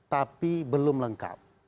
tapi belum lengkap